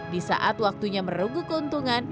di saat waktunya meruguh keuntungan